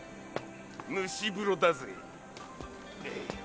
蒸し風呂だぜ！